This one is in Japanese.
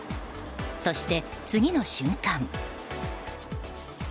そして、次の瞬間。